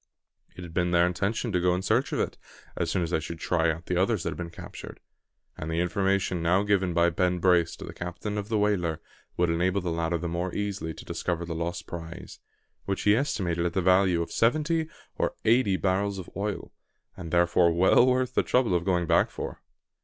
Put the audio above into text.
It had been their intention to go in search of it, as soon as they should try out the others that had been captured; and the information now given by Ben Brace to the captain of the whaler would enable the latter the more easily to discover the lost prize, which he estimated at the value of seventy or eighty barrels of oil, and therefore well worth the trouble of going back for.